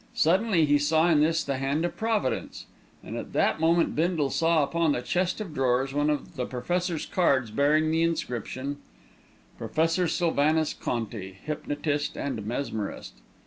Suddenly he saw in this the hand of Providence, and at that moment Bindle saw upon the chest of drawers one of the Professor's cards bearing the inscription: PROFESSOR SYLVANUS CONTI, _Hypnotist and Mesmerist.